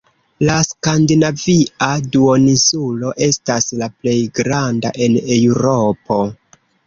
La Skandinavia duoninsulo estas la plej granda en Eŭropo.